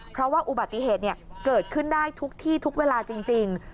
เพราะว่าอุบัติเหตุเกิดขึ้นได้ทุกที่ทุกเวลาจริง